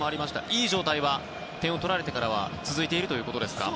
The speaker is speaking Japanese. いい状態は点を取られてからは続いているということですか？